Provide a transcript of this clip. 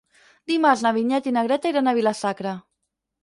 Dimarts na Vinyet i na Greta iran a Vila-sacra.